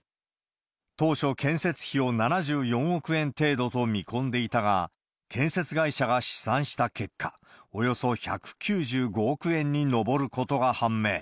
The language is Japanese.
当初、建設費を７４億円程度と見込んでいたが、建設会社が試算した結果、およそ１９５億円に上ることが判明。